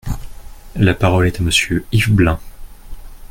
La parole est à Monsieur Yves Blein.